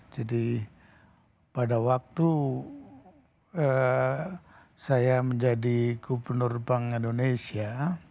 jadi pada waktu saya menjadi gubernur bank indonesia